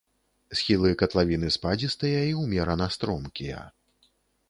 Схілы катлавіны спадзістыя і ўмерана стромкія.